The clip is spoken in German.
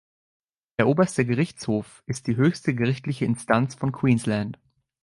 Der Oberste Gerichtshof ist die höchste gerichtliche Instanz von Queensland.